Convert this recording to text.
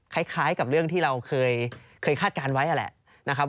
คล้ายกับเรื่องที่เราเคยคาดการณ์ไว้นั่นแหละนะครับ